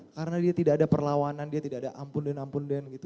karena dia tidak ada perlawanan dia tidak ada ampun dan ampun dan gitu